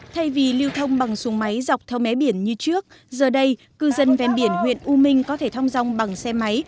thay vì lưu thông bằng xuồng máy dọc theo mé biển như trước giờ đây cư dân ven biển huyện u minh có thể thăm rong bằng xe máy